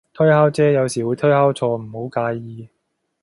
推敲啫，有時會推敲錯，唔好介意